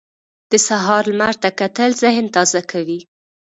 د سهار لمر ته کتل ذهن تازه کوي.